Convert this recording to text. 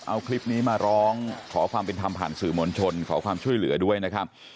เอาคลิปนี้มาร้องขอความเป็นธรรมผ่านสื่อมวลชนขอความช่วยเหลือด้วยนะครับ